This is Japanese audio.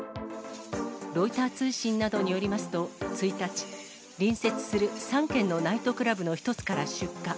ロイター通信などによりますと、１日、隣接する３軒のナイトクラブの一つから出火。